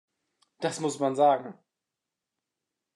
Das muss man sagen.